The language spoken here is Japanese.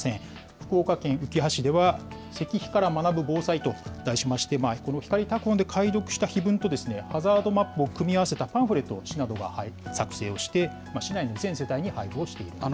福岡県うきは市では、石碑から学ぶ防災と題しまして、このひかり拓本で解読した碑文と、ハザードマップを組み合わせたパンフレットなどを市などが作成をして、市内の全世帯に配布をしています。